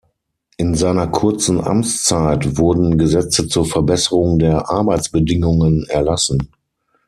In seiner kurzen Amtszeit wurden Gesetze zur Verbesserung der Arbeitsbedingungen erlassen.